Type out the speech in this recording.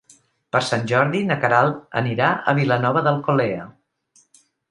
Per Sant Jordi na Queralt anirà a Vilanova d'Alcolea.